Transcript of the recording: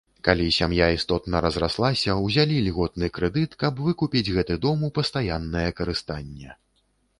Калі сям'я істотна разраслася, узялі льготны крэдыт, каб выкупіць гэты дом у пастаяннае карыстанне.